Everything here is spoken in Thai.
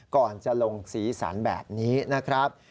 ก่อนจะลงสีสันแบบนี้นะครับ